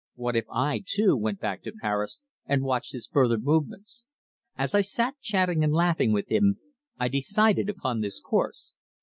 What if I, too, went back to Paris and watched his further movements? As I sat chatting and laughing with him, I decided upon this course.